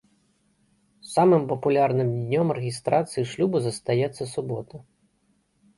Самым папулярным днём рэгістрацыі шлюбу застаецца субота.